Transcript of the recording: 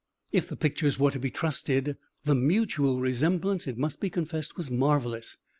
If the pictures were to be trusted, the mutual resemblance, it must be confessed, was marvellous.